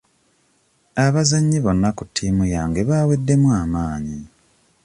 Abazanyi bonna ku tiimu yange baaweddemu amaanyi.